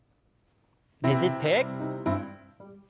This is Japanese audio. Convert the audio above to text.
ねじって。